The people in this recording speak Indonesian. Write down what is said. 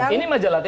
ini majalah tempo